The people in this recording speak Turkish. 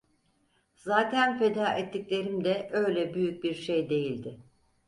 Zaten feda ettiklerim de öyle büyük bir şey değildi.